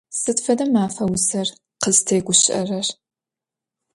Sıd fede mafa vuser khıztêguşı'erer?